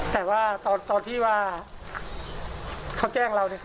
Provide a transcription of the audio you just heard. แต่ที่ว่าเขาแจ้งเรา